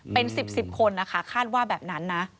เป็น๑๐๑๐คนนะคะคาดว่าแบบนั้นนะ